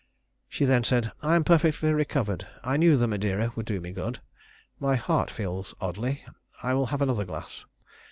She then said, "I am perfectly recovered; I knew the Madeira would do me good. My heart feels oddly. I will have another glass."